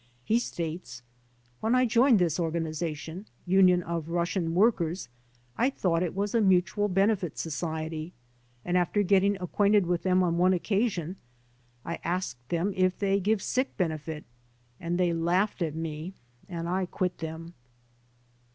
He states : "When I joined this organization, Union of Russian Work ers, I thought it was a mutual benefit society and after getting acquainted with them on one occasion I asked them if they give sick benefit, and they laughed at me and I quit them."